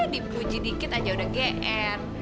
di puji dikit aja udah gr